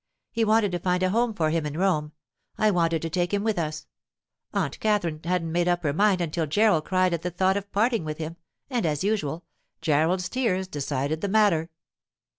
He wanted to find a home for him in Rome; I wanted to take him with us; Aunt Katherine hadn't made up her mind until Gerald cried at the thought of parting with him, and, as usual, Gerald's tears decided the matter.